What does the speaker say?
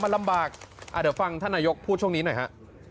มันลำบากเดี๋ยวฟังท่านนายกพูดช่วงนี้หน่อยฮะ